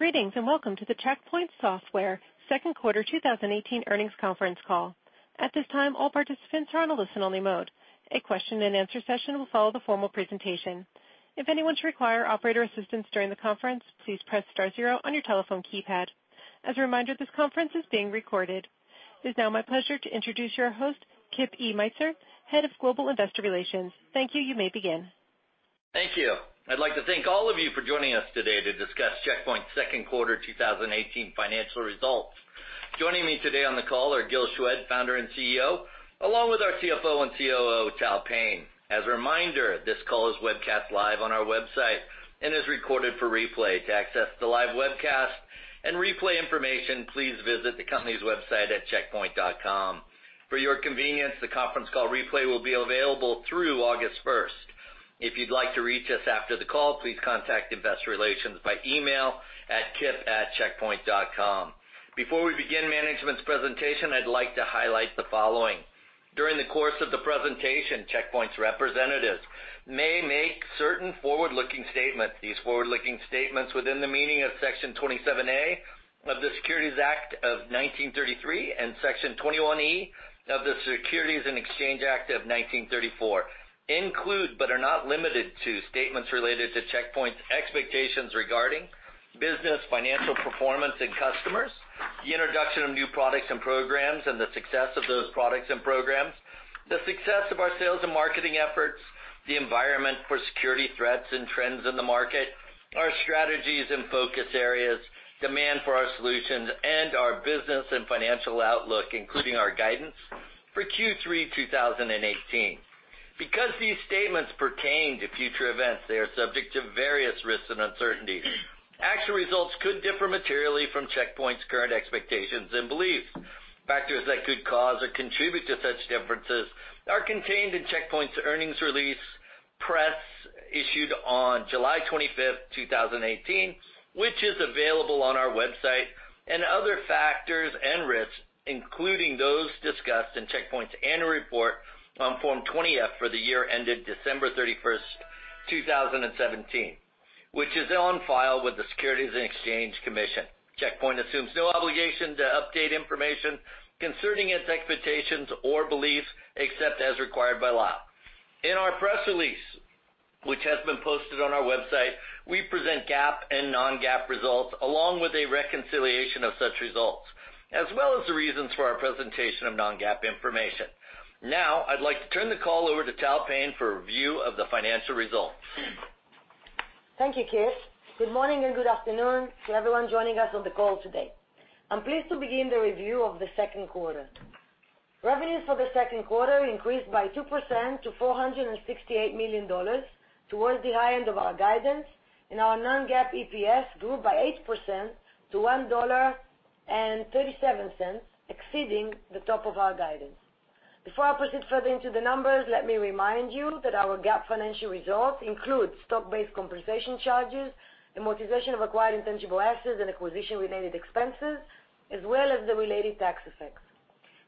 Greetings, and welcome to the Check Point Software Technologies second quarter 2018 earnings conference call. At this time, all participants are on a listen-only mode. A question and answer session will follow the formal presentation. If anyone should require operator assistance during the conference, please press star zero on your telephone keypad. As a reminder, this conference is being recorded. It is now my pleasure to introduce your host, Kip E. Meintzer, Head of Global Investor Relations. Thank you. You may begin. Thank you. I'd like to thank all of you for joining us today to discuss Check Point's second quarter 2018 financial results. Joining me today on the call are Gil Shwed, founder and CEO, along with our CFO and COO, Tal Payne. As a reminder, this call is webcast live on our website and is recorded for replay. To access the live webcast and replay information, please visit the company's website at checkpoint.com. For your convenience, the conference call replay will be available through August 1st. If you'd like to reach us after the call, please contact investor relations by email at kip@checkpoint.com. Before we begin management's presentation, I'd like to highlight the following. During the course of the presentation, Check Point's representatives may make certain forward-looking statements. These forward-looking statements within the meaning of Section 27A of the Securities Act of 1933 and Section 21E of the Securities Exchange Act of 1934 include, but are not limited to, statements related to Check Point's expectations regarding business, financial performance and customers, the introduction of new products and programs, and the success of those products and programs, the success of our sales and marketing efforts, the environment for security threats and trends in the market, our strategies and focus areas, demand for our solutions, and our business and financial outlook, including our guidance for Q3 2018. Because these statements pertain to future events, they are subject to various risks and uncertainties. Actual results could differ materially from Check Point's current expectations and beliefs. Factors that could cause or contribute to such differences are contained in Check Point's earnings release press issued on July 25th, 2018, which is available on our website, and other factors and risks, including those discussed in Check Point's annual report on Form 20-F for the year ended December 31st, 2017, which is on file with the Securities and Exchange Commission. Check Point assumes no obligation to update information concerning its expectations or beliefs, except as required by law. In our press release, which has been posted on our website, we present GAAP and non-GAAP results, along with a reconciliation of such results, as well as the reasons for our presentation of non-GAAP information. Now, I'd like to turn the call over to Tal Payne for a view of the financial results. Thank you, Kip. Good morning, and good afternoon to everyone joining us on the call today. I'm pleased to begin the review of the second quarter. Revenues for the second quarter increased by 2% to $468 million towards the high end of our guidance, and our non-GAAP EPS grew by 8% to $1.37, exceeding the top of our guidance. Before I proceed further into the numbers, let me remind you that our GAAP financial results include stock-based compensation charges, amortization of acquired intangible assets, and acquisition-related expenses, as well as the related tax effects.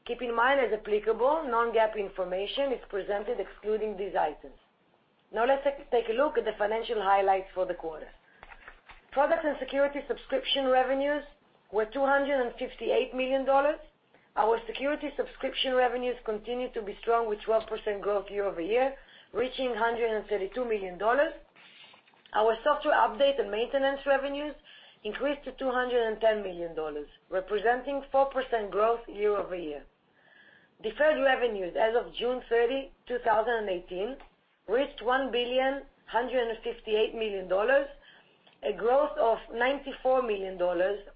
Keep in mind, as applicable, non-GAAP information is presented excluding these items. Now let's take a look at the financial highlights for the quarter. Product and security subscription revenues were $258 million. Our security subscription revenues continue to be strong with 12% growth year-over-year, reaching $132 million. Our software update and maintenance revenues increased to $210 million, representing 4% growth year-over-year. Deferred revenues as of June 30, 2018, reached $1,158 million, a growth of $94 million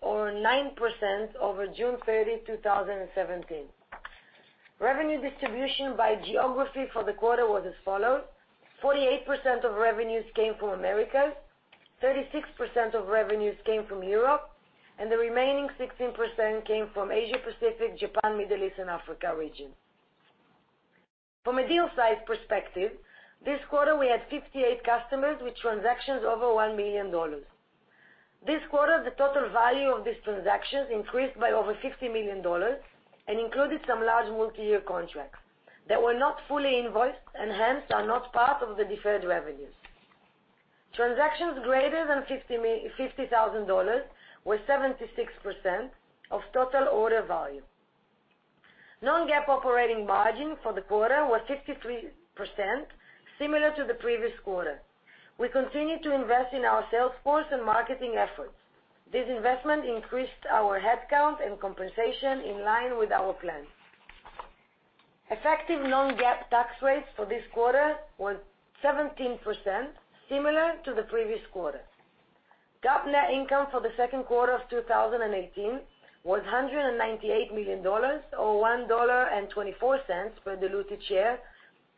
or 9% over June 30, 2017. Revenue distribution by geography for the quarter was as follows: 48% of revenues came from Americas, 36% of revenues came from Europe, and the remaining 16% came from Asia Pacific, Japan, Middle East, and Africa region. From a deal size perspective, this quarter, we had 58 customers with transactions over $1 million. This quarter, the total value of these transactions increased by over $50 million and included some large multi-year contracts that were not fully invoiced and hence are not part of the deferred revenues. Transactions greater than $50,000 were 76% of total order value. Non-GAAP operating margin for the quarter was 63%, similar to the previous quarter. We continue to invest in our sales force and marketing efforts. This investment increased our headcount and compensation in line with our plans. Effective non-GAAP tax rates for this quarter were 17%, similar to the previous quarter. GAAP net income for the second quarter of 2018 was $198 million or $1.24 per diluted share,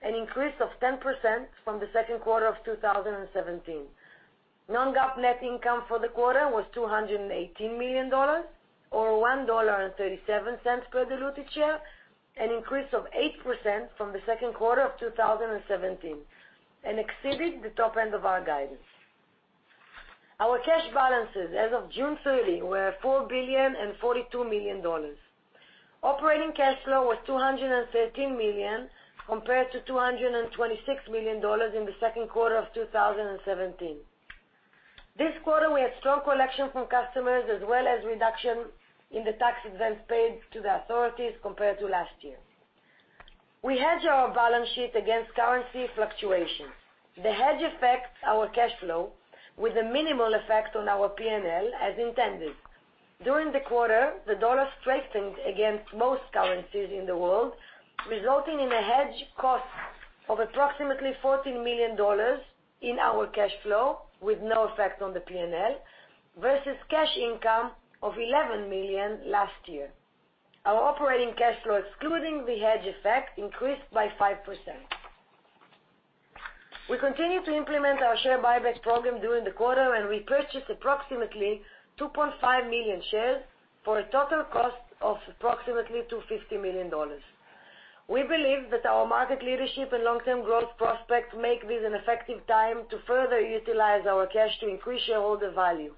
an increase of 10% from the second quarter of 2017. Non-GAAP net income for the quarter was $218 million or $1.37 per diluted share, an increase of 8% from the second quarter of 2017, and exceeded the top end of our guidance. Our cash balances as of June 30 were $4,042 million. Operating cash flow was $213 million compared to $226 million in the second quarter of 2017. This quarter, we had strong collection from customers as well as reduction in the tax advance paid to the authorities compared to last year. We hedge our balance sheet against currency fluctuations. The hedge affects our cash flow with a minimal effect on our P&L as intended. During the quarter, the dollar strengthened against most currencies in the world, resulting in a hedge cost of approximately $14 million in our cash flow, with no effect on the P&L, versus cash income of $11 million last year. Our operating cash flow, excluding the hedge effect, increased by 5%. We continue to implement our share buyback program during the quarter, and we purchased approximately 2.5 million shares for a total cost of approximately $250 million. We believe that our market leadership and long-term growth prospects make this an effective time to further utilize our cash to increase shareholder value.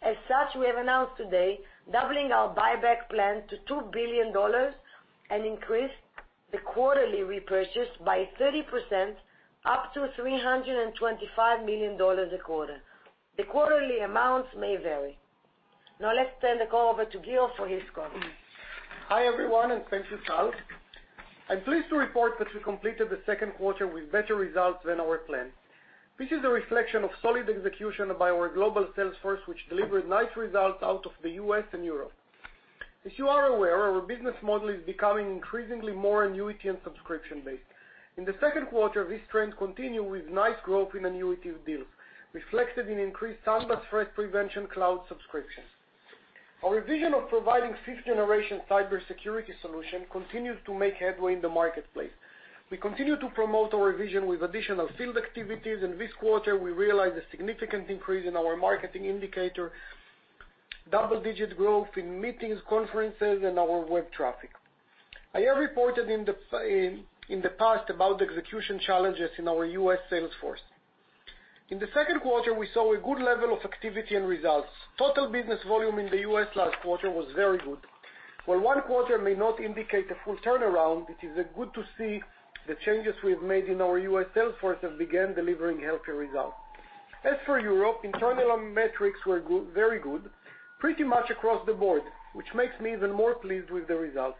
As such, we have announced today doubling our buyback plan to $2 billion and increased the quarterly repurchase by 30%, up to $325 million a quarter. The quarterly amounts may vary. Let's turn the call over to Gil for his comments. Hi, everyone, thank you, Tal. I'm pleased to report that we completed the second quarter with better results than our plan. This is a reflection of solid execution by our global sales force, which delivered nice results out of the U.S. and Europe. As you are aware, our business model is becoming increasingly more annuity and subscription-based. In the second quarter, this trend continued with nice growth in annuity deals, reflected in increased sandbox threat prevention cloud subscriptions. Our vision of providing Gen V cybersecurity solution continues to make headway in the marketplace. We continue to promote our vision with additional field activities. This quarter we realized a significant increase in our marketing indicator, double-digit growth in meetings, conferences, and our web traffic. I have reported in the past about execution challenges in our U.S. sales force. In the second quarter, we saw a good level of activity and results. Total business volume in the U.S. last quarter was very good. While one quarter may not indicate a full turnaround, it is good to see the changes we have made in our U.S. sales force have began delivering healthier results. As for Europe, internal metrics were very good, pretty much across the board, which makes me even more pleased with the results.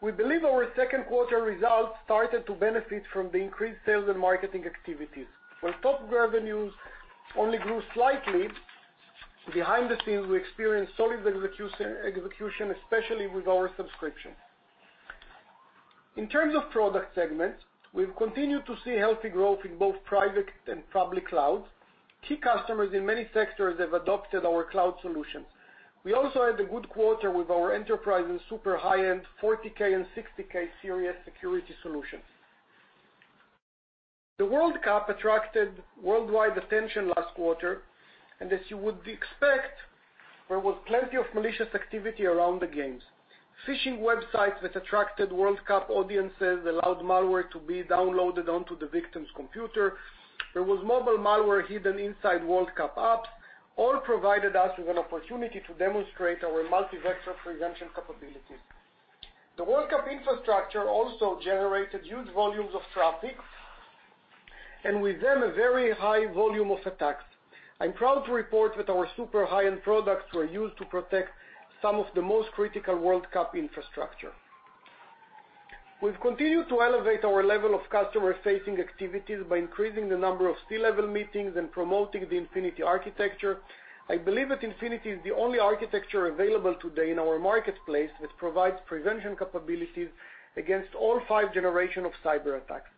We believe our second quarter results started to benefit from the increased sales and marketing activities. While top revenues only grew slightly, behind the scenes, we experienced solid execution, especially with our subscription. In terms of product segments, we've continued to see healthy growth in both private and public clouds. Key customers in many sectors have adopted our cloud solutions. We also had a good quarter with our enterprise and super high-end 40K and 60K Series security solutions. The World Cup attracted worldwide attention last quarter. As you would expect, there was plenty of malicious activity around the games. Phishing websites that attracted World Cup audiences allowed malware to be downloaded onto the victim's computer. There was mobile malware hidden inside World Cup apps. All provided us with an opportunity to demonstrate our multi-vector prevention capabilities. The World Cup infrastructure also generated huge volumes of traffic. With them, a very high volume of attacks. I'm proud to report that our super high-end products were used to protect some of the most critical World Cup infrastructure. We've continued to elevate our level of customer-facing activities by increasing the number of C-level meetings and promoting the Infinity Architecture. I believe that Infinity is the only architecture available today in our marketplace that provides prevention capabilities against all fifth generation of cyber attacks.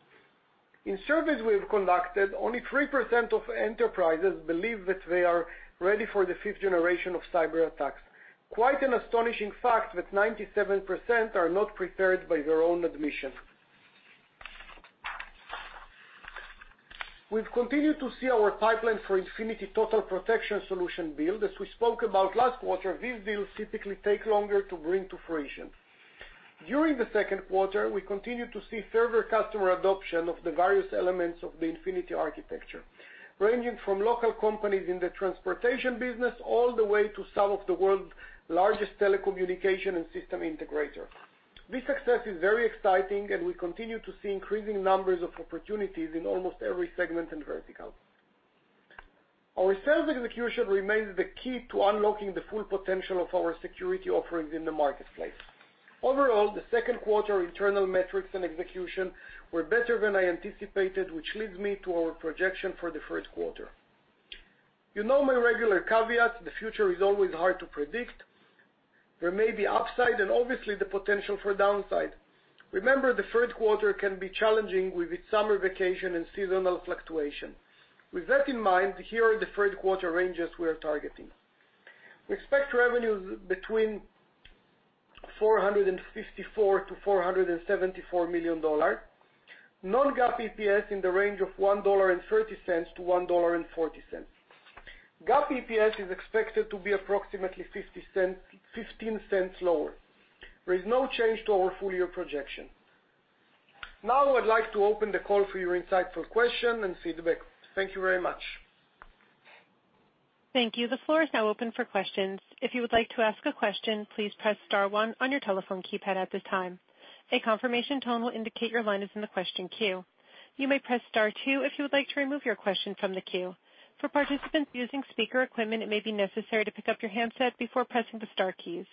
In surveys we have conducted, only 3% of enterprises believe that they are ready for the fifth generation of cyber attacks. Quite an astonishing fact that 97% are not prepared by their own admission. We've continued to see our pipeline for Infinity Total Protection solution build. As we spoke about last quarter, these deals typically take longer to bring to fruition. During the second quarter, we continued to see further customer adoption of the various elements of the Infinity Architecture, ranging from local companies in the transportation business, all the way to some of the world's largest telecommunication and system integrators. This success is very exciting, and we continue to see increasing numbers of opportunities in almost every segment and vertical. Our sales execution remains the key to unlocking the full potential of our security offerings in the marketplace. Overall, the second quarter internal metrics and execution were better than I anticipated, which leads me to our projection for the first quarter. You know my regular caveat, the future is always hard to predict. There may be upside and obviously the potential for downside. Remember, the third quarter can be challenging with its summer vacation and seasonal fluctuation. With that in mind, here are the third quarter ranges we are targeting. We expect revenues between $454 million-$474 million, non-GAAP EPS in the range of $1.30-$1.40. GAAP EPS is expected to be approximately $0.15 lower. There is no change to our full-year projection. I'd like to open the call for your insightful question and feedback. Thank you very much. Thank you. The floor is now open for questions. If you would like to ask a question, please press star one on your telephone keypad at this time. A confirmation tone will indicate your line is in the question queue. You may press star two if you would like to remove your question from the queue. For participants using speaker equipment, it may be necessary to pick up your handset before pressing the star keys.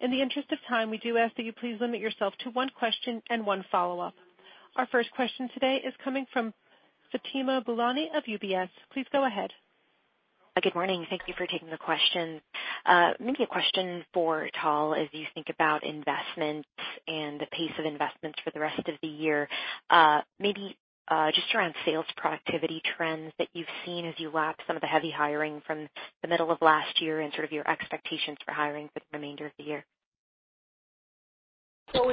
In the interest of time, we do ask that you please limit yourself to one question and one follow-up. Our first question today is coming from Fatima Boolani of UBS. Please go ahead. Good morning. Thank you for taking the question. A question for Tal as you think about investments and the pace of investments for the rest of the year. Just around sales productivity trends that you've seen as you lap some of the heavy hiring from the middle of last year and sort of your expectations for hiring for the remainder of the year. We're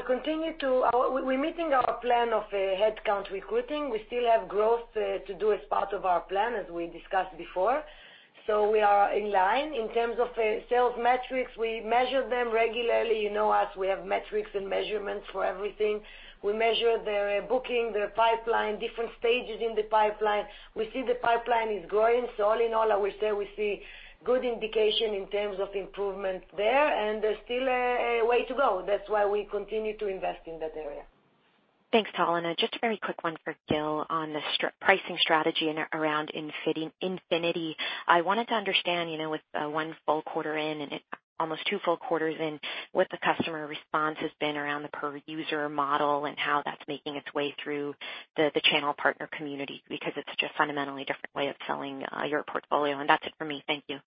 meeting our plan of headcount recruiting. We still have growth to do as part of our plan, as we discussed before. We are in line. In terms of sales metrics, we measure them regularly. You know us, we have metrics and measurements for everything. We measure the booking, the pipeline, different stages in the pipeline. We see the pipeline is growing. All in all, I would say we see good indication in terms of improvement there, and there's still a way to go. That's why we continue to invest in that area. Thanks, Tal. Just a very quick one for Gil on the pricing strategy and around Infinity. I wanted to understand, with one full quarter in and almost two full quarters in, what the customer response has been around the per-user model and how that's making its way through the channel partner community, because it's such a fundamentally different way of selling your portfolio. That's it for me. Thank you.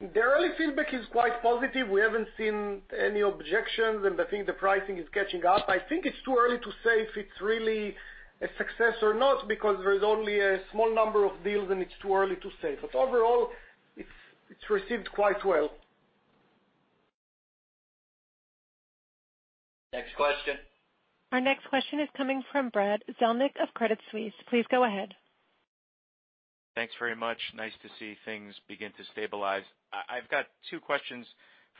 The early feedback is quite positive. We haven't seen any objections, I think the pricing is catching up. I think it's too early to say if it's really a success or not, because there's only a small number of deals, it's too early to say. Overall, it's received quite well. Next question. Our next question is coming from Brad Zelnick of Credit Suisse. Please go ahead. Thanks very much. Nice to see things begin to stabilize. I've got two questions.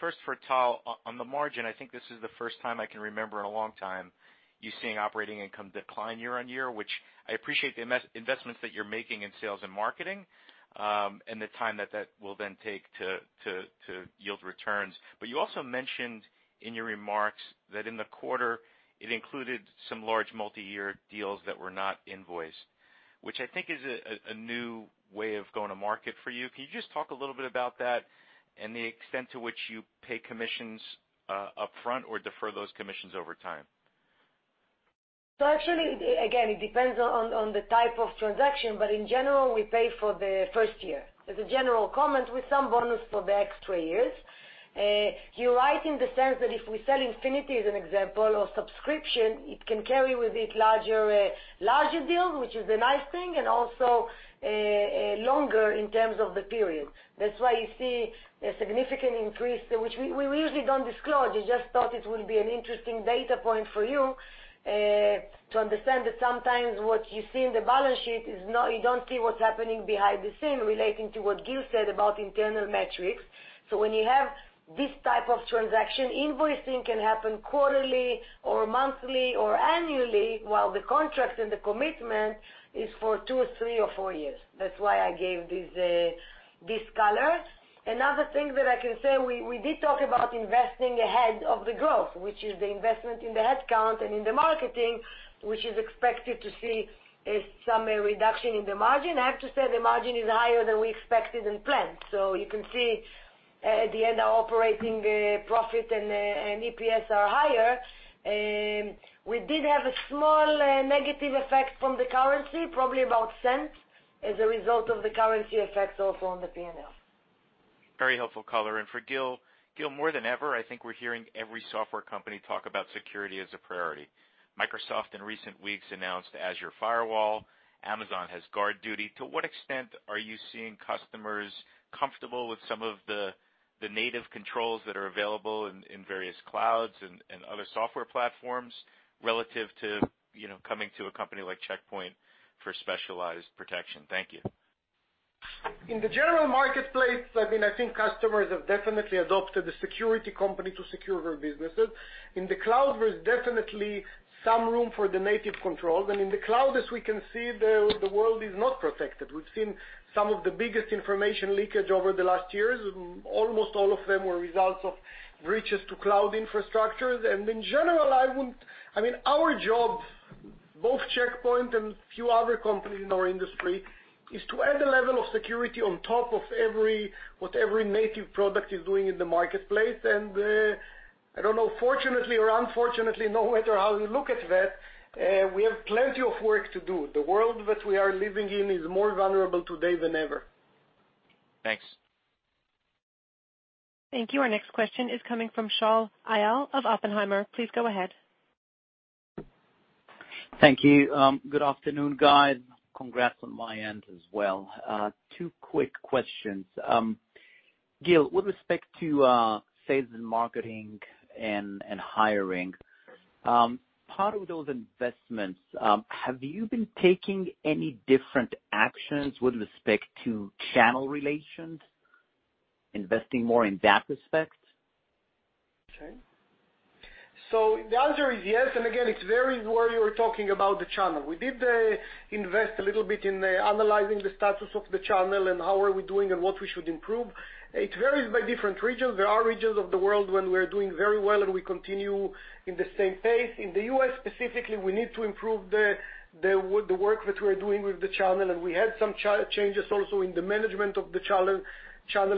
First for Tal. On the margin, I think this is the first time I can remember in a long time you seeing operating income decline year-on-year, which I appreciate the investments that you're making in sales and marketing, and the time that that will then take to yield returns. You also mentioned in your remarks that in the quarter, it included some large multi-year deals that were not invoiced, which I think is a new way of going to market for you. Can you just talk a little bit about that and the extent to which you pay commissions upfront or defer those commissions over time? Actually, again, it depends on the type of transaction. In general, we pay for the first year. As a general comment, with some bonus for the extra years. You're right in the sense that if we sell Infinity, as an example, or subscription, it can carry with it larger deals, which is a nice thing, and also longer in terms of the period. That's why you see a significant increase, which we usually don't disclose. I just thought it would be an interesting data point for you to understand that sometimes what you see in the balance sheet, you don't see what's happening behind the scene relating to what Gil said about internal metrics. When you have this type of transaction, invoicing can happen quarterly or monthly or annually, while the contract and the commitment is for two or three or four years. That's why I gave this color. Another thing that I can say, we did talk about investing ahead of the growth, which is the investment in the headcount and in the marketing, which is expected to see some reduction in the margin. I have to say, the margin is higher than we expected and planned. You can see at the end, our operating profit and EPS are higher. We did have a small negative effect from the currency, probably about cents, as a result of the currency effects also on the P&L. Very helpful color. For Gil, more than ever, I think we're hearing every software company talk about security as a priority. Microsoft in recent weeks announced Azure Firewall. Amazon has GuardDuty. To what extent are you seeing customers comfortable with some of the native controls that are available in various clouds and other software platforms relative to coming to a company like Check Point for specialized protection? Thank you. In the general marketplace, I think customers have definitely adopted a security company to secure their businesses. In the cloud, there's definitely some room for the native controls. In the cloud, as we can see, the world is not protected. We've seen some of the biggest information leakage over the last years. Almost all of them were results of breaches to cloud infrastructures. In general, our jobs, both Check Point and a few other companies in our industry, is to add a level of security on top of what every native product is doing in the marketplace. I don't know, fortunately or unfortunately, no matter how you look at that, we have plenty of work to do. The world that we are living in is more vulnerable today than ever. Thanks. Thank you. Our next question is coming from Shaul Eyal of Oppenheimer. Please go ahead. Thank you. Good afternoon, guys. Congrats on my end as well. Two quick questions. Gil, with respect to sales and marketing and hiring, part of those investments, have you been taking any different actions with respect to channel relations, investing more in that aspect? The answer is yes. Again, it varies where you're talking about the channel. We did invest a little bit in analyzing the status of the channel and how are we doing and what we should improve. It varies by different regions. There are regions of the world when we're doing very well, and we continue in the same pace. In the U.S., specifically, we need to improve the work that we're doing with the channel. We had some changes also in the management of the channel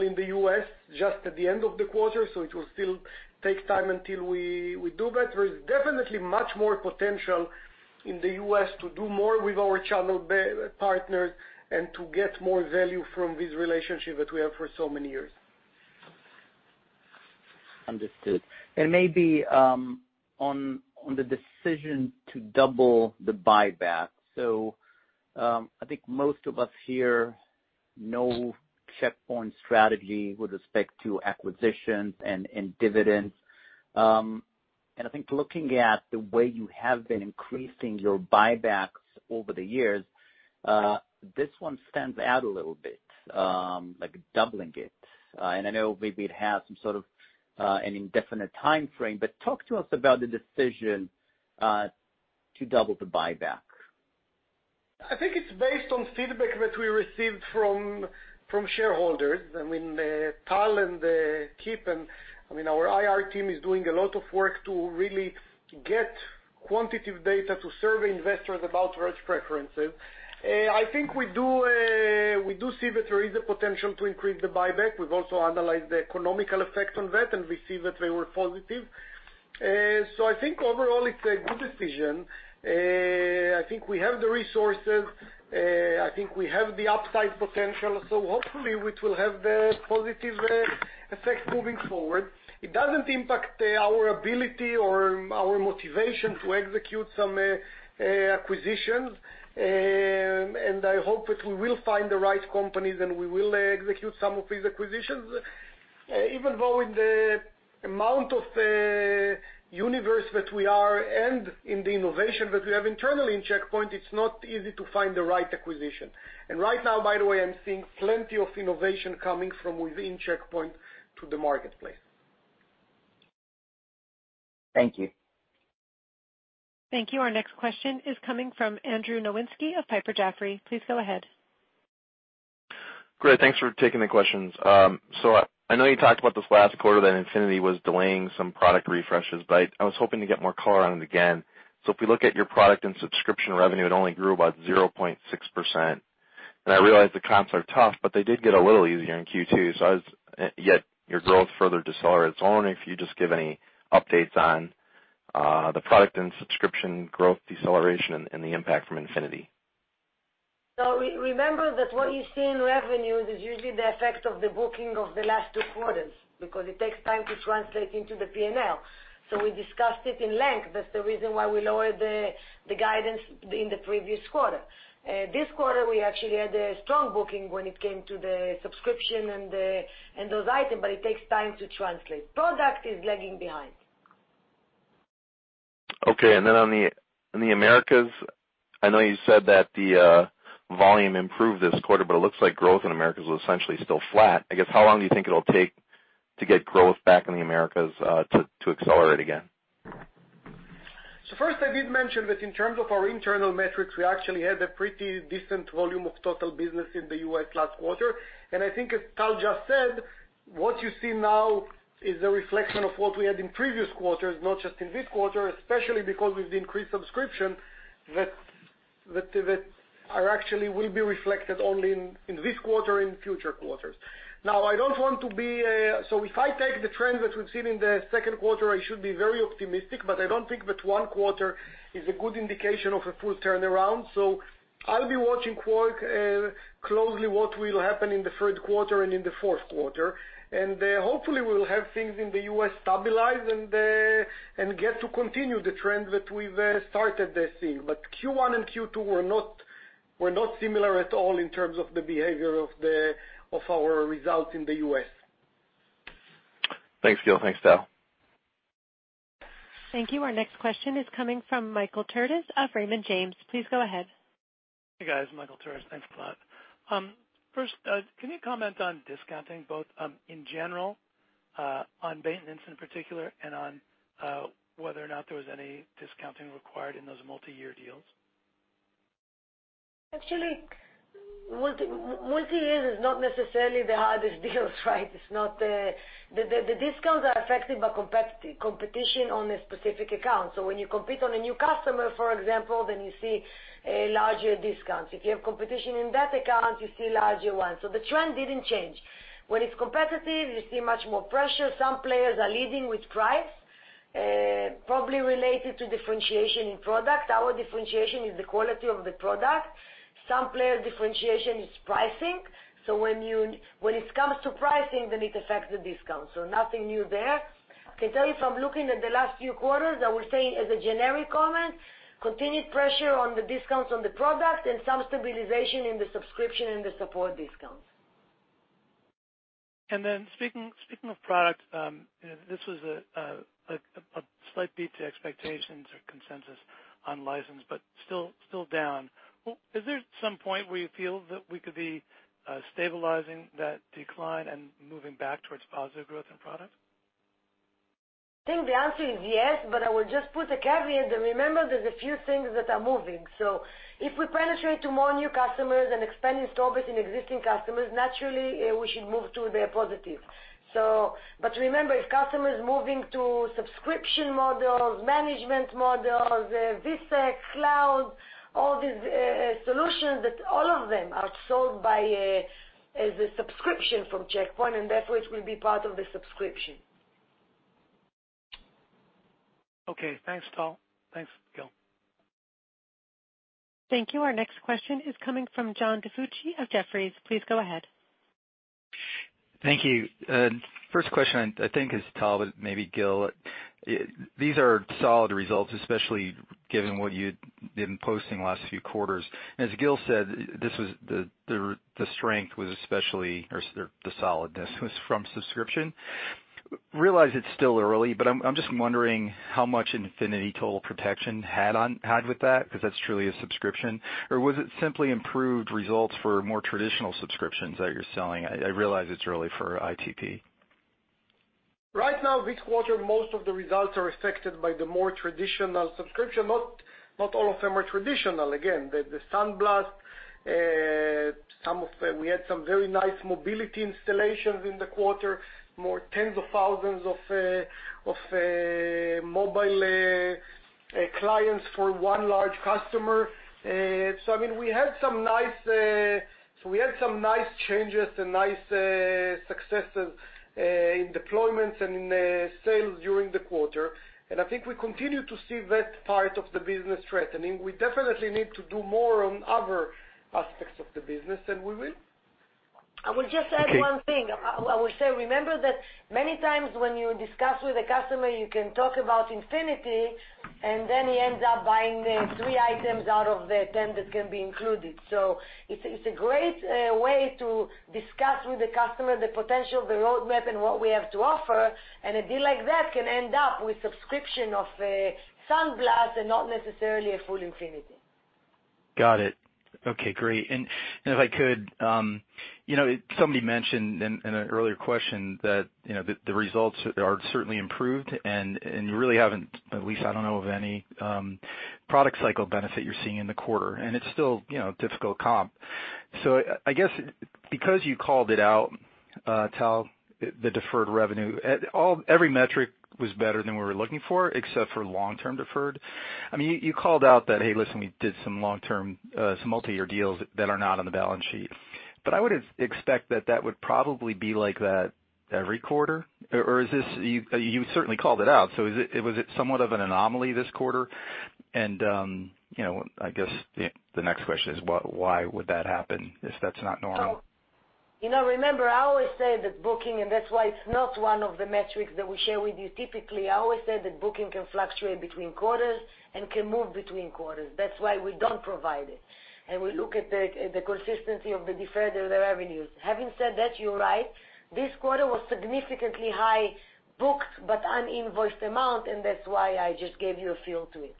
in the U.S. just at the end of the quarter, so it will still take time until we do better. There's definitely much more potential in the U.S. to do more with our channel partners and to get more value from this relationship that we have for so many years. Understood. Maybe on the decision to double the buyback. I think most of us here know Check Point's strategy with respect to acquisitions and dividends. I think looking at the way you have been increasing your buybacks over the years, this one stands out a little bit, like doubling it. I know maybe it has some sort of an indefinite timeframe, but talk to us about the decision to double the buyback. I think it's based on feedback that we received from shareholders. Tal and Kip and our IR team is doing a lot of work to really get quantitative data to survey investors about their preferences. I think we do see that there is a potential to increase the buyback. We've also analyzed the economical effect on that, and we see that they were positive. I think overall, it's a good decision. I think we have the resources. I think we have the upside potential. Hopefully, it will have the positive effect moving forward. It doesn't impact our ability or our motivation to execute some acquisitions. I hope that we will find the right companies, and we will execute some of these acquisitions. Even though in the amount of universe that we are and in the innovation that we have internally in Check Point, it's not easy to find the right acquisition. Right now, by the way, I'm seeing plenty of innovation coming from within Check Point to the marketplace. Thank you. Thank you. Our next question is coming from Andrew Nowinski of Piper Jaffray. Please go ahead. Great. Thanks for taking the questions. I know you talked about this last quarter, that Infinity was delaying some product refreshes, I was hoping to get more color on it again. If we look at your product and subscription revenue, it only grew about 0.6%. I realize the comps are tough, but they did get a little easier in Q2. Yet your growth further decelerates. I was wondering if you just give any updates on the product and subscription growth deceleration and the impact from Infinity. Remember that what you see in revenues is usually the effect of the booking of the last two quarters, because it takes time to translate into the P&L. We discussed it in length. That's the reason why we lowered the guidance in the previous quarter. This quarter, we actually had a strong booking when it came to the subscription and those items, but it takes time to translate. Product is lagging behind. Okay, in the Americas, I know you said that the volume improved this quarter, it looks like growth in Americas was essentially still flat. I guess, how long do you think it'll take to get growth back in the Americas to accelerate again? First, I did mention that in terms of our internal metrics, we actually had a pretty decent volume of total business in the U.S. last quarter. I think as Tal just said, what you see now is a reflection of what we had in previous quarters, not just in this quarter, especially because with the increased subscription, that are actually will be reflected only in this quarter, in future quarters. If I take the trend that we've seen in the second quarter, I should be very optimistic, I don't think that one quarter is a good indication of a full turnaround. I'll be watching closely what will happen in the third quarter and in the fourth quarter. Hopefully, we'll have things in the U.S. stabilized and get to continue the trend that we've started this year. Q1 and Q2 were not similar at all in terms of the behavior of our results in the U.S. Thanks, Gil. Thanks, Tal. Thank you. Our next question is coming from Michael Turits of Raymond James. Please go ahead. Hey, guys. Michael Turits, thanks a lot. First, can you comment on discounting, both in general, on maintenance in particular, and on whether or not there was any discounting required in those multi-year deals? Actually, multi-year is not necessarily the hardest deals, right? The discounts are affected by competition on a specific account. When you compete on a new customer, for example, you see a larger discount. If you have competition in that account, you see larger ones. The trend didn't change. When it's competitive, you see much more pressure. Some players are leading with price, probably related to differentiation in product. Our differentiation is the quality of the product. Some player differentiation is pricing. When it comes to pricing, it affects the discount. Nothing new there. I can tell you from looking at the last few quarters, I would say as a generic comment, continued pressure on the discounts on the product and some stabilization in the subscription and the support discounts. Speaking of product, this was a slight beat to expectations or consensus on license, still down. Is there some point where you feel that we could be stabilizing that decline and moving back towards positive growth in product? I think the answer is yes, I will just put a caveat that remember there's a few things that are moving. If we penetrate to more new customers and expand installs in existing customers, naturally, we should move to their positive. Remember, if customers moving to subscription models, management models, vSEC, cloud, all these solutions that all of them are sold by as a subscription from Check Point, and that's what will be part of the subscription. Okay. Thanks, Tal. Thanks, Gil. Thank you. Our next question is coming from John DiFucci of Jefferies. Please go ahead. Thank you. First question, I think is Tal, but maybe Gil. These are solid results, especially given what you'd been posting last few quarters. As Gil said, the strength was especially, or the solidness was from subscription. Realize it's still early, but I'm just wondering how much Infinity Total Protection had with that, because that's truly a subscription, or was it simply improved results for more traditional subscriptions that you're selling? I realize it's early for ITP. Right now, this quarter, most of the results are affected by the more traditional subscription. Not all of them are traditional. Again, the SandBlast, we had some very nice mobility installations in the quarter, more tens of thousands of mobile clients for one large customer. We had some nice changes and nice successes in deployments and in sales during the quarter, and I think we continue to see that part of the business strengthening. We definitely need to do more on other aspects of the business, and we will. I will just add one thing. I will say, remember that many times when you discuss with a customer, you can talk about Infinity, and then he ends up buying the three items out of the 10 that can be included. It's a great way to discuss with the customer the potential, the roadmap, and what we have to offer. A deal like that can end up with subscription of SandBlast and not necessarily a full Infinity. Got it. Okay, great. If I could, somebody mentioned in an earlier question that the results are certainly improved, and you really haven't, at least I don't know of any, product cycle benefit you're seeing in the quarter, and it's still a difficult comp. I guess because you called it out, Tal, the deferred revenue, every metric was better than we were looking for except for long-term deferred. You called out that, hey, listen, we did some long-term, some multi-year deals that are not on the balance sheet. I would expect that that would probably be like that every quarter. You certainly called it out. Was it somewhat of an anomaly this quarter? I guess the next question is, why would that happen if that's not normal? Remember, I always say that booking, and that's why it's not one of the metrics that we share with you typically. I always say that booking can fluctuate between quarters and can move between quarters. That's why we don't provide it. We look at the consistency of the deferred revenues. Having said that, you're right, this quarter was significantly high booked, but un-invoiced amount, and that's why I just gave you a feel to it.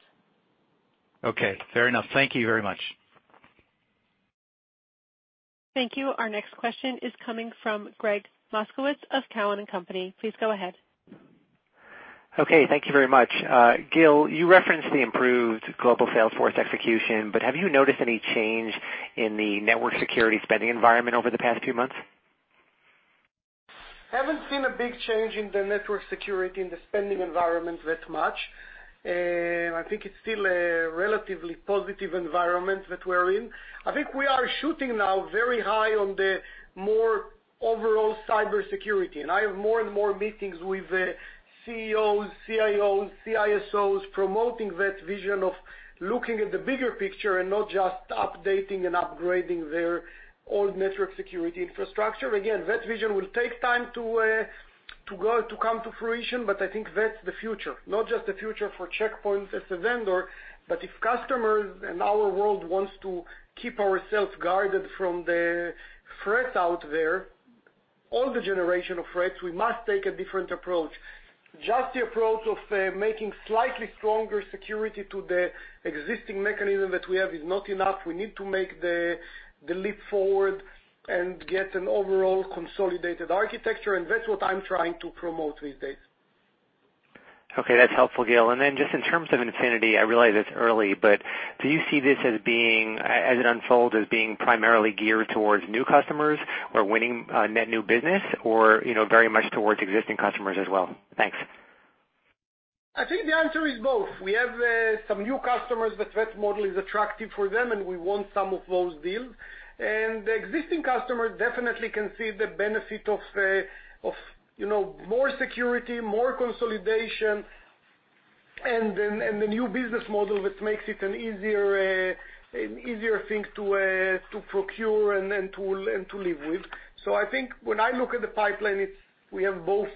Okay, fair enough. Thank you very much. Thank you. Our next question is coming from Gregg Moskowitz of Cowen and Company. Please go ahead. Okay. Thank you very much. Gil, you referenced the improved global sales force execution, have you noticed any change in the network security spending environment over the past few months? Haven't seen a big change in the network security, in the spending environment that much. I think it's still a relatively positive environment that we're in. I have more and more meetings with CEOs, CIOs, CISOs, promoting that vision of looking at the bigger picture and not just updating and upgrading their old network security infrastructure. That vision will take time to come to fruition, I think that's the future. Not just the future for Check Point as a vendor, if customers and our world wants to keep ourselves guarded from the threat out there, all the generation of threats, we must take a different approach. Just the approach of making slightly stronger security to the existing mechanism that we have is not enough. We need to make the leap forward and get an overall consolidated architecture. That's what I'm trying to promote these days. Okay, that's helpful, Gil. Then just in terms of Infinity, I realize it's early, do you see this as it unfolds as being primarily geared towards new customers or winning net new business or very much towards existing customers as well? Thanks. I think the answer is both. We have some new customers, the threat model is attractive for them, we want some of those deals. The existing customers definitely can see the benefit of more security, more consolidation, and the new business model, which makes it an easier thing to procure and to live with. I think when I look at the pipeline, we have both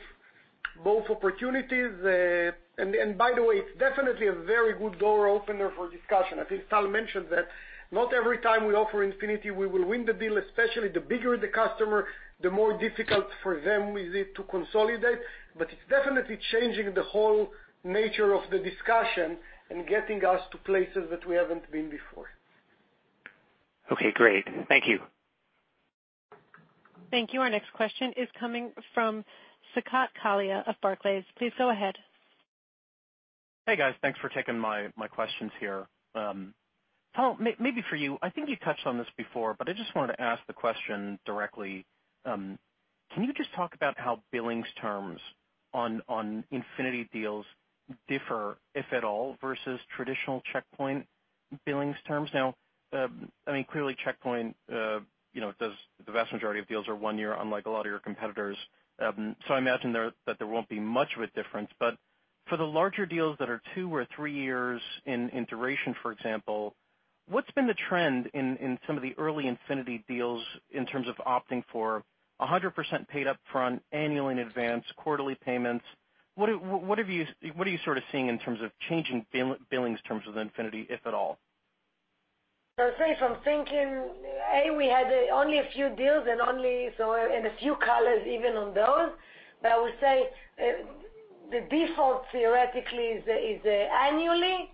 opportunities. By the way, it's definitely a very good door opener for discussion. I think Tal mentioned that not every time we offer Infinity, we will win the deal, especially the bigger the customer, the more difficult for them is it to consolidate. It's definitely changing the whole nature of the discussion and getting us to places that we haven't been before. Okay, great. Thank you. Thank you. Our next question is coming from Saket Kalia of Barclays. Please go ahead. Hey, guys. Thanks for taking my questions here. Tal, maybe for you, I think you touched on this before, but I just wanted to ask the question directly. Can you just talk about how billings terms on Infinity deals differ, if at all, versus traditional Check Point billings terms? Clearly Check Point, the vast majority of deals are one year, unlike a lot of your competitors. I imagine that there won't be much of a difference, but for the larger deals that are two or three years in duration, for example, what's been the trend in some of the early Infinity deals in terms of opting for 100% paid up front, annual in advance, quarterly payments? What are you seeing in terms of changing billings terms with Infinity, if at all? I would say from thinking, A, we had only a few deals and a few colors even on those, but I would say the default theoretically is annually.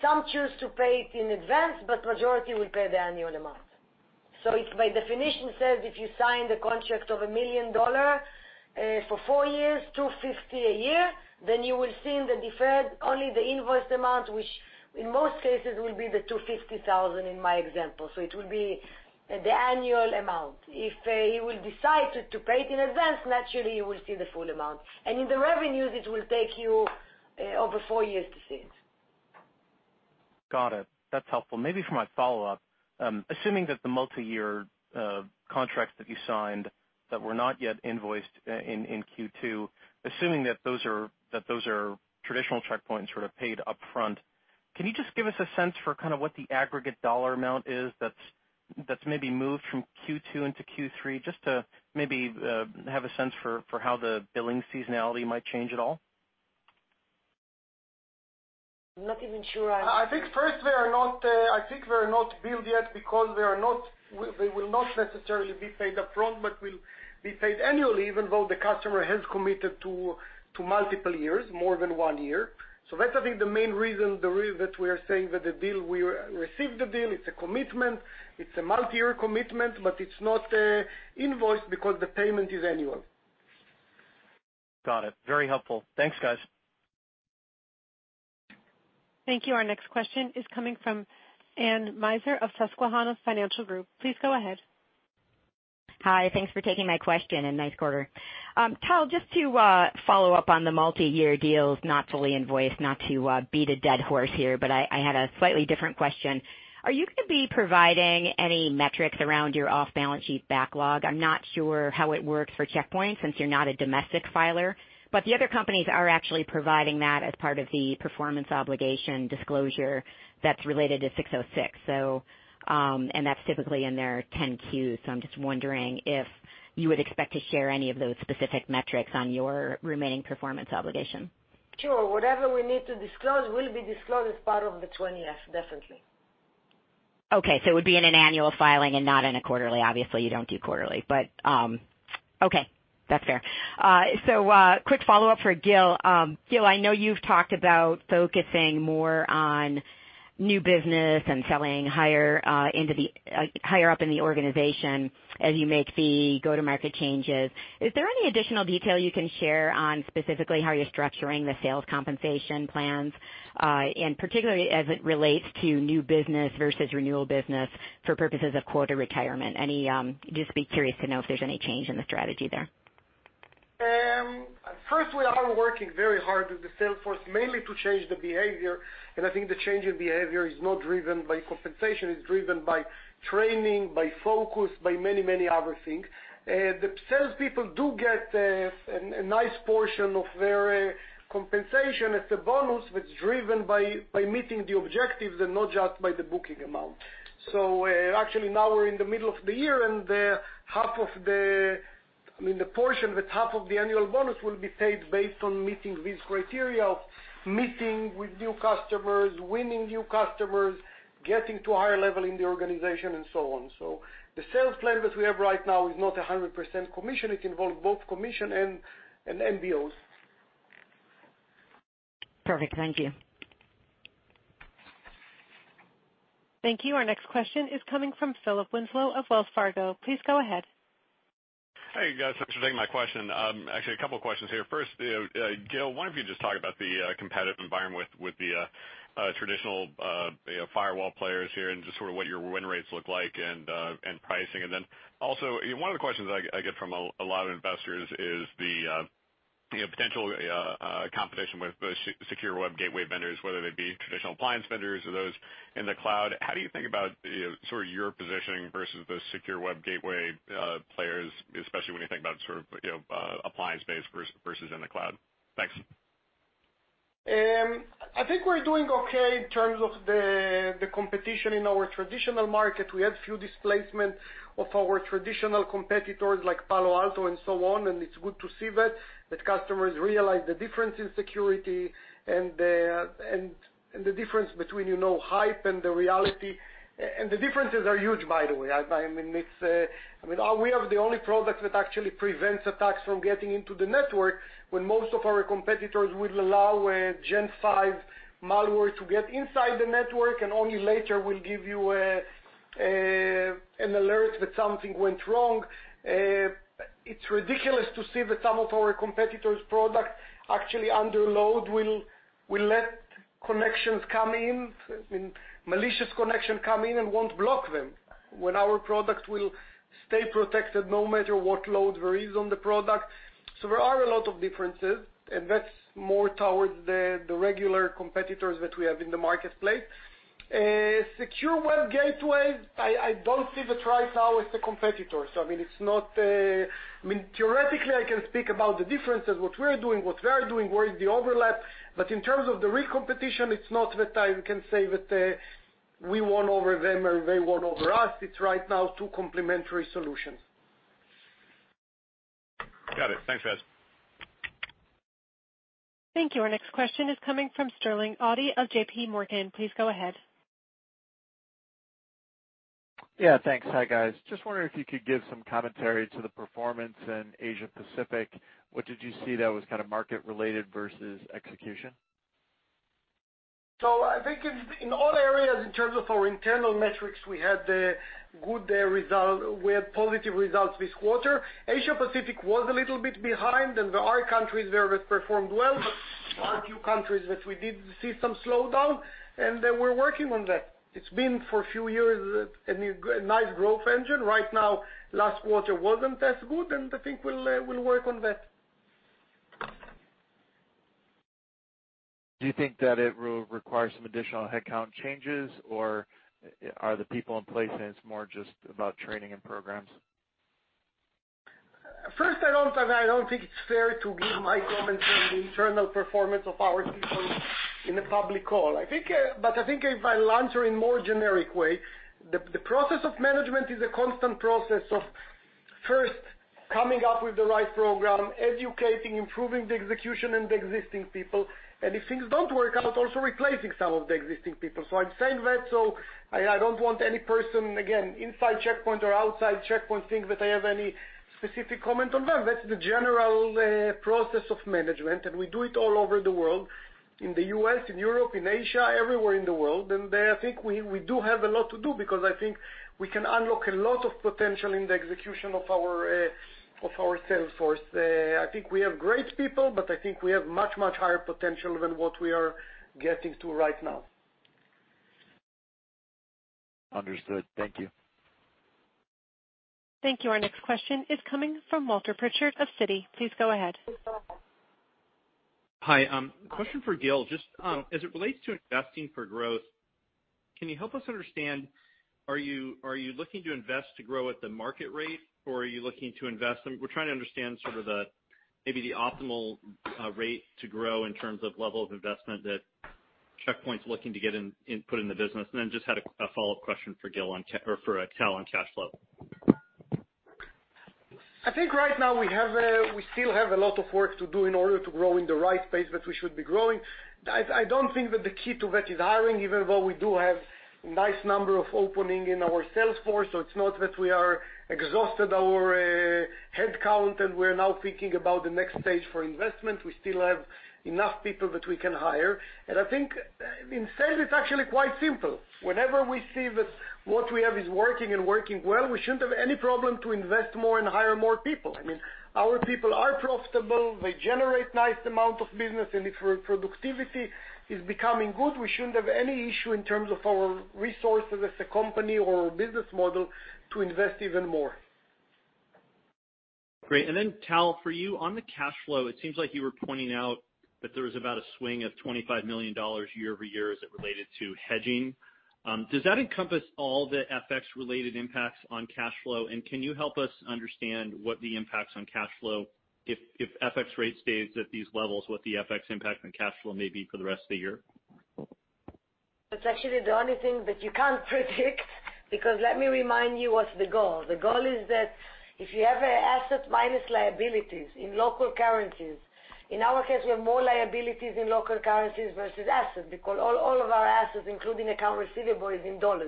Some choose to pay it in advance, but majority will pay the annual amount. It, by definition, says if you sign the contract of $1 million for four years, $250,000 a year, then you will see in the deferred, only the invoice amount, which in most cases will be the $250,000 in my example. It will be the annual amount. If you will decide to pay it in advance, naturally, you will see the full amount. In the revenues, it will take you over four years to see it. Got it. That's helpful. For my follow-up, assuming that the multi-year contracts that you signed that were not yet invoiced in Q2, assuming that those are traditional Check Point sort of paid upfront, can you just give us a sense for what the aggregate dollar amount is that's maybe moved from Q2 into Q3, just to maybe have a sense for how the billing seasonality might change at all? I'm not even sure. I think first, they are not billed yet because they will not necessarily be paid upfront but will be paid annually, even though the customer has committed to multiple years, more than one year. That's, I think, the main reason that we are saying that the deal, we received the deal. It's a commitment. It's a multi-year commitment, but it's not invoiced because the payment is annual. Got it. Very helpful. Thanks, guys. Thank you. Our next question is coming from Anne Meisner of Susquehanna Financial Group. Please go ahead. Hi, thanks for taking my question, and nice quarter. Tal, just to follow up on the multi-year deals not fully invoiced, not to beat a dead horse here, but I had a slightly different question. Are you going to be providing any metrics around your off-balance sheet backlog? I'm not sure how it works for Check Point, since you're not a domestic filer, but the other companies are actually providing that as part of the performance obligation disclosure that's related to 606. That's typically in their 10-Q. I'm just wondering if you would expect to share any of those specific metrics on your remaining performance obligation. Sure. Whatever we need to disclose will be disclosed as part of the 20-F, definitely. Okay, it would be in an annual filing and not in a quarterly. Obviously, you don't do quarterly. Okay. That's fair. Quick follow-up for Gil. Gil, I know you've talked about focusing more on new business and selling higher up in the organization as you make the go-to-market changes. Is there any additional detail you can share on specifically how you're structuring the sales compensation plans, and particularly as it relates to new business versus renewal business for purposes of quota retirement? Just be curious to know if there's any change in the strategy there. First, we are working very hard with the sales force mainly to change the behavior, and I think the change in behavior is not driven by compensation. It's driven by training, by focus, by many other things. The salespeople do get a nice portion of their compensation as a bonus, but it's driven by meeting the objectives and not just by the booking amount. Actually now we're in the middle of the year, and the portion with half of the annual bonus will be paid based on meeting these criteria of meeting with new customers, winning new customers, getting to a higher level in the organization, and so on. The sales plan that we have right now is not 100% commission. It involves both commission and MBOs. Perfect. Thank you. Thank you. Our next question is coming from Philip Winslow of Wells Fargo. Please go ahead. Hey, guys. Thanks for taking my question. Actually, a couple questions here. First, Gil, why don't you just talk about the competitive environment with the traditional firewall players here and just sort of what your win rates look like and pricing. Also, one of the questions I get from a lot of investors is the potential competition with secure web gateway vendors, whether they be traditional appliance vendors or those in the cloud. How do you think about sort of your positioning versus the secure web gateway players, especially when you think about sort of appliance-based versus in the cloud? Thanks. I think we're doing okay in terms of the competition in our traditional market. We had few displacement of our traditional competitors like Palo Alto and so on. It's good to see that customers realize the difference in security and the difference between hype and the reality. The differences are huge, by the way. We have the only product that actually prevents attacks from getting into the network when most of our competitors will allow Gen V malware to get inside the network and only later will give you an alert that something went wrong. It's ridiculous to see that some of our competitors' product actually under load will let connections come in, malicious connection come in, and won't block them, when our product will stay protected no matter what load there is on the product. There are a lot of differences, and that's more towards the regular competitors that we have in the marketplace. Secure web gateways, I don't see that right now as a competitor. Theoretically, I can speak about the differences, what we're doing, what they're doing, where is the overlap. In terms of the real competition, it's not that I can say that we won over them or they won over us. It's right now two complementary solutions. Got it. Thanks, guys. Thank you. Our next question is coming from Sterling Auty of J.P. Morgan. Please go ahead. Thanks. Hi, guys. Just wondering if you could give some commentary to the performance in Asia Pacific. What did you see that was kind of market related versus execution? I think in all areas, in terms of our internal metrics, we had good result. We had positive results this quarter. Asia Pacific was a little bit behind. There are countries there that performed well, but there are a few countries that we did see some slowdown. We're working on that. It's been for a few years, a nice growth engine. Last quarter wasn't as good. I think we'll work on that. Do you think that it will require some additional headcount changes, or are the people in place, and it's more just about training and programs? First, I don't think it's fair to give my comments on the internal performance of our people in a public call. I think if I answer in more generic way, the process of management is a constant process of first coming up with the right program, educating, improving the execution and the existing people, and if things don't work out, also replacing some of the existing people. I'm saying that, I don't want any person, again, inside Check Point or outside Check Point, think that I have any specific comment on them. That's the general process of management, and we do it all over the world, in the U.S., in Europe, in Asia, everywhere in the world. There, I think we do have a lot to do because I think we can unlock a lot of potential in the execution of our sales force. I think we have great people. I think we have much, much higher potential than what we are getting to right now. Understood. Thank you. Thank you. Our next question is coming from Walter Pritchard of Citi. Please go ahead. Hi. Question for Gil. Just as it relates to investing for growth, can you help us understand, are you looking to invest to grow at the market rate, or We're trying to understand sort of maybe the optimal rate to grow in terms of level of investment that Check Point's looking to put in the business. Then just had a follow-up question for Tal on cash flow. I think right now we still have a lot of work to do in order to grow in the right pace that we should be growing. I don't think that the key to that is hiring, even though we do have nice number of opening in our sales force. It's not that we are exhausted our headcount, and we're now thinking about the next stage for investment. We still have enough people that we can hire. I think in sales, it's actually quite simple. Whenever we see that what we have is working and working well, we shouldn't have any problem to invest more and hire more people. I mean, our people are profitable. They generate nice amount of business, and if our productivity is becoming good, we shouldn't have any issue in terms of our resources as a company or business model to invest even more. Great. Tal, for you, on the cash flow, it seems like you were pointing out that there was about a swing of $25 million year-over-year as it related to hedging. Does that encompass all the FX-related impacts on cash flow? Can you help us understand what the impacts on cash flow, if FX rate stays at these levels, what the FX impact on cash flow may be for the rest of the year? That's actually the only thing that you can't predict because let me remind you what's the goal. The goal is that if you have assets minus liabilities in local currencies, in our case, we have more liabilities in local currencies versus assets, because all of our assets, including account receivable, is in $.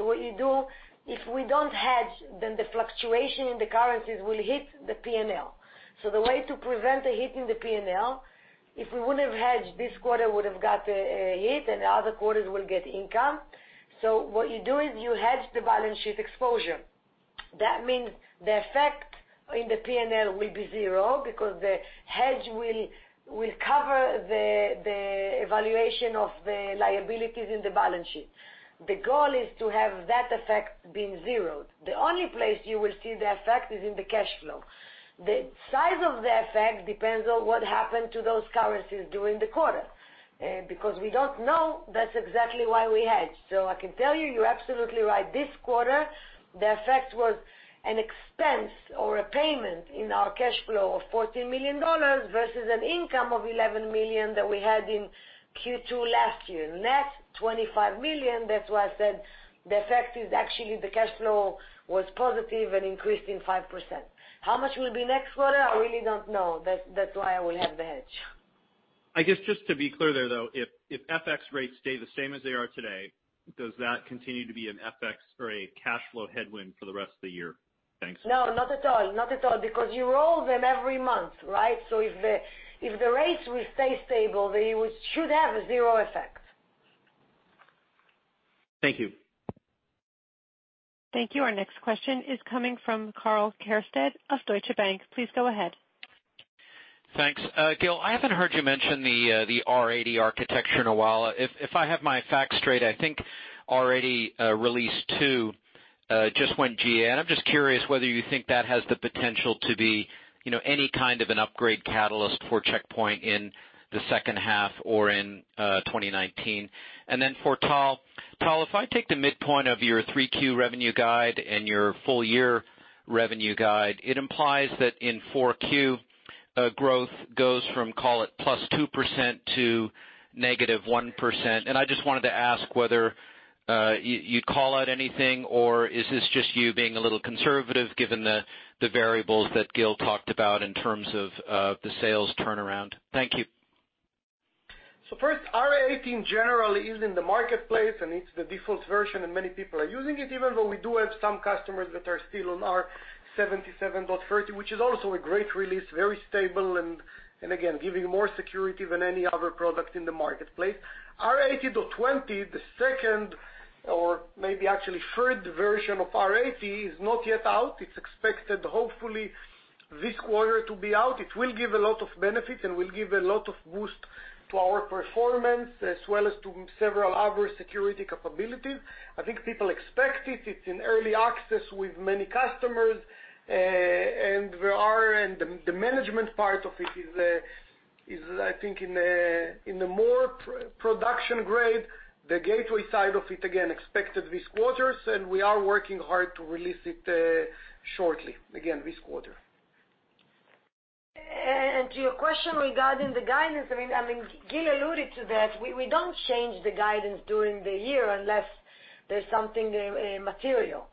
What you do, if we don't hedge, then the fluctuation in the currencies will hit the P&L. The way to prevent a hit in the P&L, if we wouldn't have hedged this quarter, would've got a hit, and the other quarters will get income. What you do is you hedge the balance sheet exposure. That means the effect in the P&L will be zero because the hedge will cover the evaluation of the liabilities in the balance sheet. The goal is to have that effect being zeroed. The only place you will see the effect is in the cash flow. The size of the effect depends on what happened to those currencies during the quarter. Because we don't know, that's exactly why we hedge. I can tell you're absolutely right. This quarter, the effect was an expense or a payment in our cash flow of $14 million versus an income of $11 million that we had in Q2 last year. Net, $25 million. That's why I said the effect is actually the cash flow was positive and increased in 5%. How much will be next quarter? I really don't know. That's why I will have the hedge. I guess just to be clear there, though, if FX rates stay the same as they are today, does that continue to be an FX or a cash flow headwind for the rest of the year? No, not at all. Not at all, because you roll them every month, right? If the rates will stay stable, they should have zero effect. Thank you. Thank you. Our next question is coming from Karl Keirstead of Deutsche Bank. Please go ahead. Thanks. Gil, I haven't heard you mention the R80 architecture in a while. If I have my facts straight, I think R80 release two just went GA, I'm just curious whether you think that has the potential to be any kind of an upgrade catalyst for Check Point in the second half or in 2019. Then for Tal. Tal, if I take the midpoint of your three Q revenue guide and your full year revenue guide, it implies that in four Q, growth goes from, call it, +2% to -1%. I just wanted to ask whether you'd call out anything or is this just you being a little conservative given the variables that Gil talked about in terms of the sales turnaround? Thank you. First, R80 generally is in the marketplace, and it's the default version, and many people are using it, even though we do have some customers that are still on R77.30, which is also a great release, very stable and, again, giving more security than any other product in the marketplace. R80.20, the second or maybe actually third version of R80, is not yet out. It's expected, hopefully, this quarter to be out. It will give a lot of benefits and will give a lot of boost to our performance as well as to several other security capabilities. I think people expect it. It's in early access with many customers, and the management part of it is, I think, in the more production grade. The gateway side of it, again, expected this quarter, and we are working hard to release it shortly. Again, this quarter. To your question regarding the guidance, Gil alluded to that. We don't change the guidance during the year unless there's something material.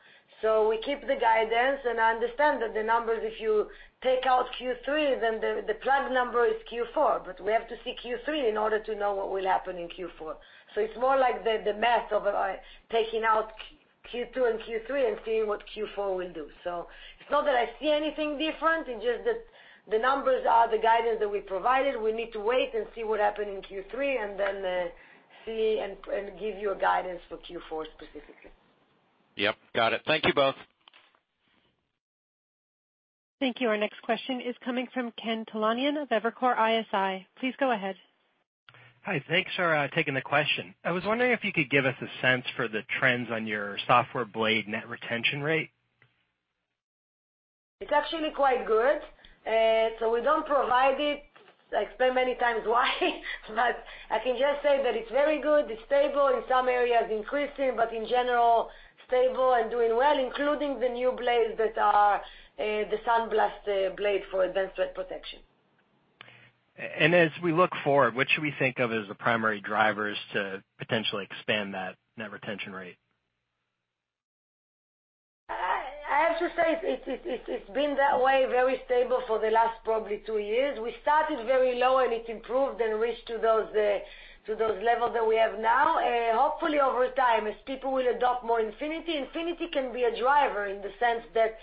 We keep the guidance, and I understand that the numbers, if you take out Q3, then the plug number is Q4. We have to see Q3 in order to know what will happen in Q4. It's more like the math of taking out Q2 and Q3 and seeing what Q4 will do. It's not that I see anything different, it's just that the numbers are the guidance that we provided. We need to wait and see what happens in Q3, and then see and give you a guidance for Q4 specifically. Yep, got it. Thank you both. Thank you. Our next question is coming from Ken Talanian of Evercore ISI. Please go ahead. Hi, thanks for taking the question. I was wondering if you could give us a sense for the trends on your Software Blade net retention rate? We don't provide it, I explained many times why, but I can just say that it's very good. It's stable, in some areas increasing, but in general stable and doing well, including the new blades that are the SandBlast blade for advanced threat protection. As we look forward, what should we think of as the primary drivers to potentially expand that net retention rate? I have to say, it's been that way, very stable, for the last probably two years. We started very low, and it improved and reached to those levels that we have now. Hopefully, over time, as people will adopt more Infinity can be a driver in the sense that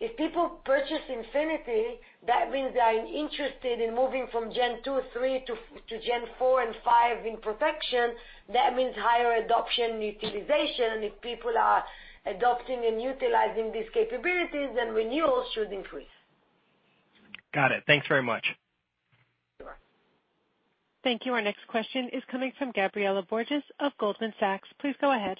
if people purchase Infinity, that means they are interested in moving from Gen two, three, to Gen four and five in protection. That means higher adoption utilization. If people are adopting and utilizing these capabilities, renewals should increase. Got it. Thanks very much. Sure. Thank you. Our next question is coming from Gabriela Borges of Goldman Sachs. Please go ahead.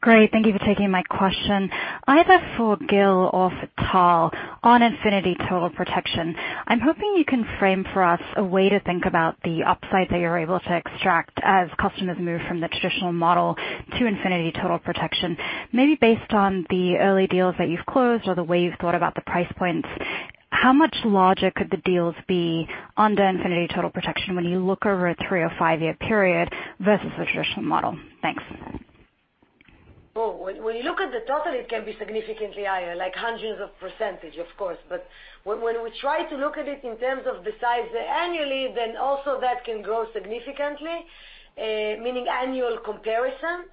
Great. Thank you for taking my question. Either for Gil or for Tal, on Infinity Total Protection, I'm hoping you can frame for us a way to think about the upside that you're able to extract as customers move from the traditional model to Infinity Total Protection. Maybe based on the early deals that you've closed or the way you've thought about the price points, how much larger could the deals be under Infinity Total Protection when you look over a three or five-year period versus the traditional model? Thanks. When you look at the total, it can be significantly higher, like hundreds of percentage, of course. When we try to look at it in terms of the size annually, also that can grow significantly, meaning annual comparison.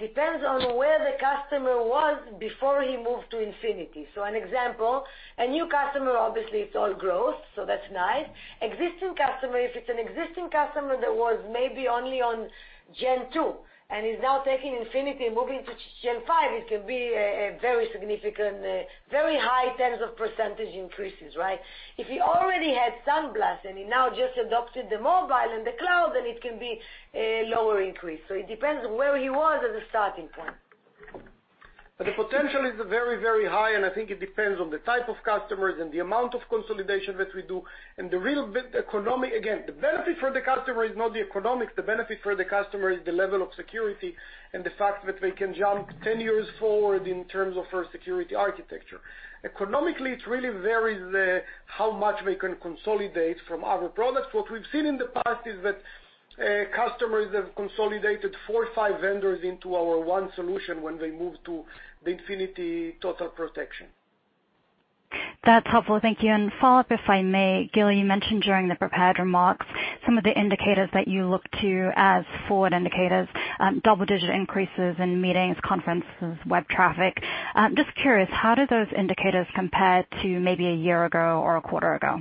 Depends on where the customer was before he moved to Infinity. An example, a new customer, obviously it's all growth, so that's nice. Existing customer, if it's an existing customer that was maybe only on Gen 2 and is now taking Infinity and moving to Gen 5, it can be a very significant, very high tens of percentage increases, right? If he already had SandBlast and he now just adopted the mobile and the cloud, then it can be a lower increase. It depends where he was at the starting time. The potential is very high, and I think it depends on the type of customers and the amount of consolidation that we do and the real economics. Again, the benefit for the customer is not the economics. The benefit for the customer is the level of security and the fact that they can jump 10 years forward in terms of their security architecture. Economically, it really varies how much we can consolidate from other products. What we've seen in the past is that customers have consolidated four or five vendors into our one solution when they move to the Infinity Total Protection. That's helpful. Thank you. Follow-up, if I may. Gil, you mentioned during the prepared remarks some of the indicators that you look to as forward indicators, double-digit increases in meetings, conferences, web traffic. Just curious, how do those indicators compare to maybe a year ago or a quarter ago?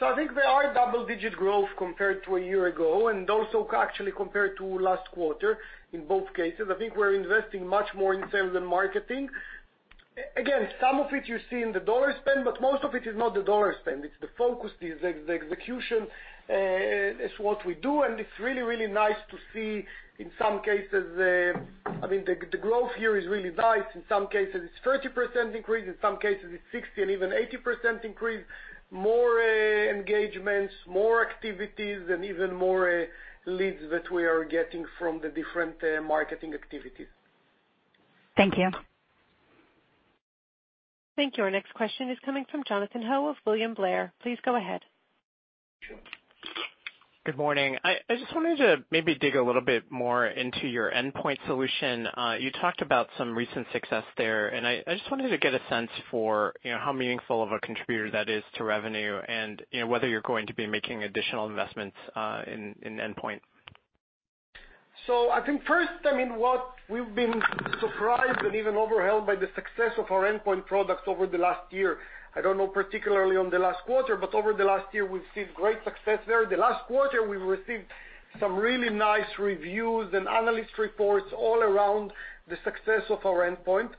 I think they are double-digit growth compared to a year ago, and also actually compared to last quarter in both cases. I think we're investing much more in sales and marketing. Again, some of it you see in the dollar spend, but most of it is not the dollar spend. It's the focus, the execution, it's what we do, and it's really nice to see in some cases, the growth here is really nice. In some cases, it's 30% increase, in some cases, it's 60 and even 80% increase. More engagements, more activities, and even more leads that we are getting from the different marketing activities. Thank you. Thank you. Our next question is coming from Jonathan Ho of William Blair. Please go ahead. Good morning. I just wanted to maybe dig a little bit more into your endpoint solution. You talked about some recent success there, and I just wanted to get a sense for how meaningful of a contributor that is to revenue and whether you're going to be making additional investments in endpoint. I think first, what we've been surprised and even overwhelmed by the success of our endpoint products over the last year. I don't know particularly on the last quarter, but over the last year, we've seen great success there. The last quarter, we've received some really nice reviews and analyst reports all around the success of our endpoint,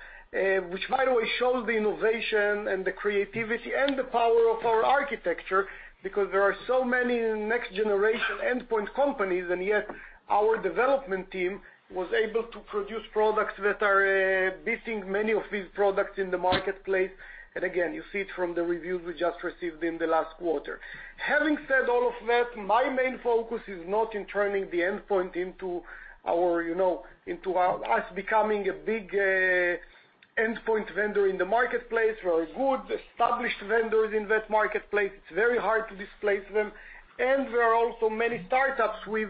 which by the way, shows the innovation and the creativity and the power of our architecture because there are so many next-generation endpoint companies, and yet our development team was able to produce products that are beating many of these products in the marketplace. Again, you see it from the reviews we just received in the last quarter. Having said all of that, my main focus is not in turning the endpoint into us becoming a big endpoint vendor in the marketplace. There are good established vendors in that marketplace. It's very hard to displace them, and there are also many startups with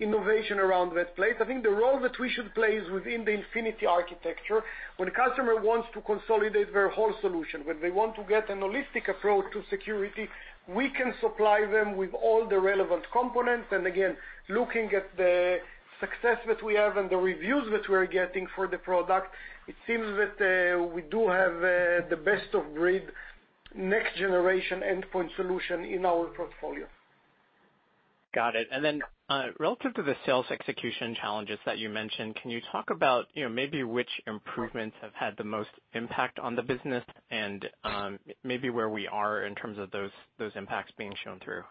innovation around that place. I think the role that we should play is within the Infinity Architecture. When a customer wants to consolidate their whole solution, when they want to get an holistic approach to security, we can supply them with all the relevant components. Again, looking at the success that we have and the reviews that we're getting for the product, it seems that we do have the best-of-breed next-generation endpoint solution in our portfolio. Got it. Relative to the sales execution challenges that you mentioned, can you talk about maybe which improvements have had the most impact on the business and maybe where we are in terms of those impacts being shown through?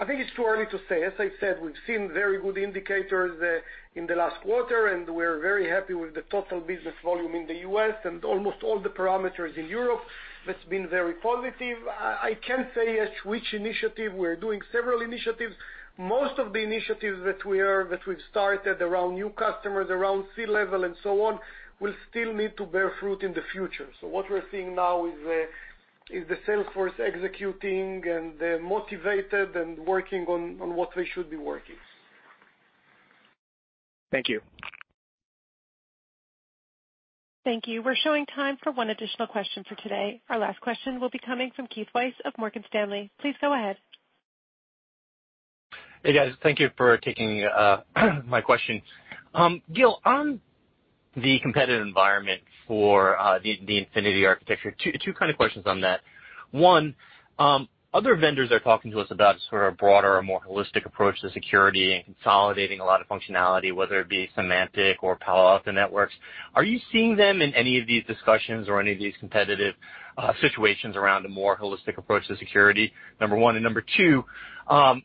I think it's too early to say. As I've said, we've seen very good indicators in the last quarter, and we're very happy with the total business volume in the U.S. and almost all the parameters in Europe that's been very positive. I can't say as which initiative. We're doing several initiatives. Most of the initiatives that we've started around new customers, around C-level and so on, will still need to bear fruit in the future. What we're seeing now is the sales force executing and they're motivated and working on what they should be working. Thank you. Thank you. We're showing time for one additional question for today. Our last question will be coming from Keith Weiss of Morgan Stanley. Please go ahead. Hey, guys. Thank you for taking my question. Gil, on the competitive environment for the Infinity Architecture, two kind of questions on that. One, other vendors are talking to us about sort of broader, a more holistic approach to security and consolidating a lot of functionality, whether it be Symantec or Palo Alto Networks. Are you seeing them in any of these discussions or any of these competitive situations around a more holistic approach to security? Number one and number two,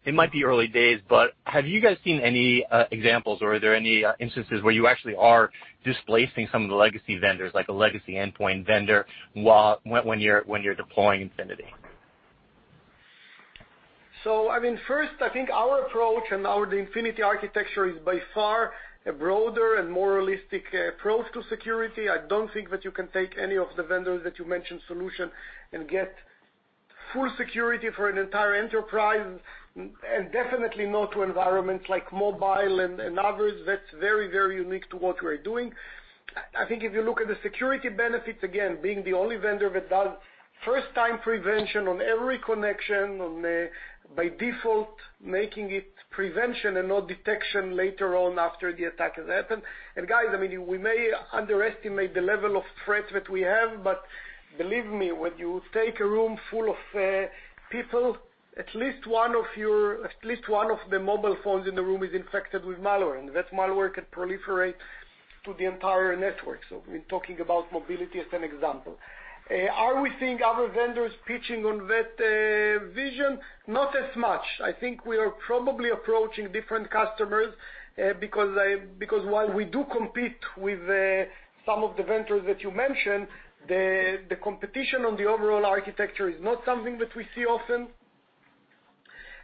it might be early days, but have you guys seen any examples or are there any instances where you actually are displacing some of the legacy vendors, like a legacy endpoint vendor, when you're deploying Infinity? First, I think our approach and our Infinity Architecture is by far a broader and more holistic approach to security. I don't think that you can take any of the vendors that you mentioned solution and get full security for an entire enterprise, and definitely not to environments like mobile and others. That's very, very unique to what we're doing. I think if you look at the security benefits, again, being the only vendor that does first time prevention on every connection, by default, making it prevention and not detection later on after the attack has happened. Guys, we may underestimate the level of threat that we have, but believe me, when you take a room full of people, at least one of the mobile phones in the room is infected with malware, and that malware can proliferate to the entire network. We're talking about mobility as an example. Are we seeing other vendors pitching on that vision? Not as much. I think we are probably approaching different customers because while we do compete with some of the vendors that you mentioned, the competition on the overall architecture is not something that we see often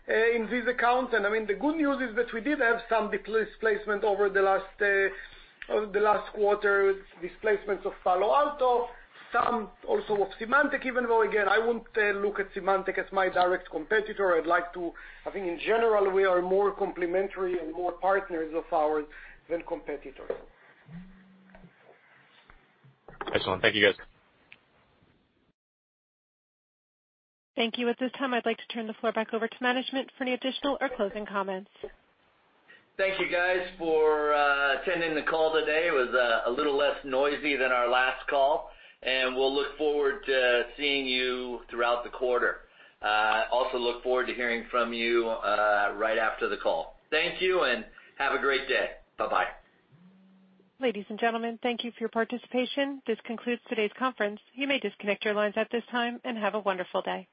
in this account. The good news is that we did have some displacement over the last quarter, displacements of Palo Alto, some also of Symantec, even though, again, I wouldn't look at Symantec as my direct competitor. I think in general, we are more complementary and more partners of ours than competitors. Excellent. Thank you, guys. Thank you. At this time, I'd like to turn the floor back over to management for any additional or closing comments. Thank you guys for attending the call today. It was a little less noisy than our last call, and we'll look forward to seeing you throughout the quarter. Also look forward to hearing from you right after the call. Thank you and have a great day. Bye-bye. Ladies and gentlemen, thank you for your participation. This concludes today's conference. You may disconnect your lines at this time and have a wonderful day.